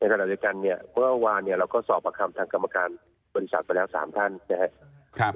ขณะเดียวกันเนี่ยเมื่อวานเนี่ยเราก็สอบประคำทางกรรมการบริษัทไปแล้ว๓ท่านนะครับ